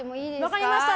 分かりました。